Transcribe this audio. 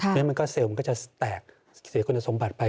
เพราะฉะนั้นมันก็เซลล์มันก็จะแตกเสียคุณสมบัติไป